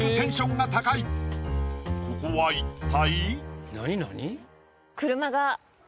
ここは一体？